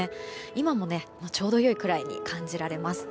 今もちょうどよいくらいに感じられます。